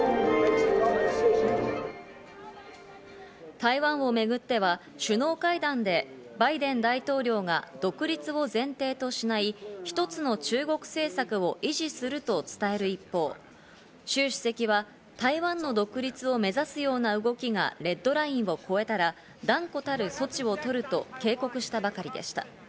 台湾をめぐっては、首脳会談でバイデン大統領が独立を前提としない一つの中国政策を維持すると伝える一方、シュウ主席は台湾の独立を目指すような動きなレッドラインを越えたら断固たる措置をとると警告したばかりでした。